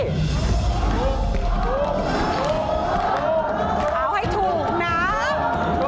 เอาให้ถูกนะ